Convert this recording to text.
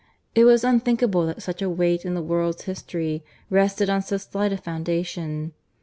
It was unthinkable that such a weight in the world's history rested on so slight a foundation.